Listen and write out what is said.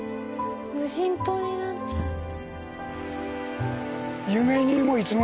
無人島になっちゃった。